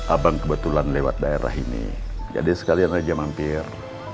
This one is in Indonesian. abang kebetulan lewat daerah ini jadi sekalian aja mampir